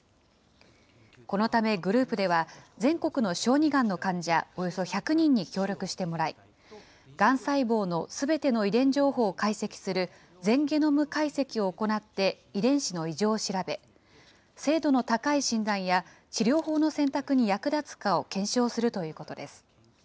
このためグループでは、全国の小児がんの患者およそ１００人に協力してもらい、がん細胞のすべての遺伝情報を解析する、全ゲノム解析を行って遺伝子の異常を調べ、精度の高い診断や治療法の選択に役立つかを検証するということです。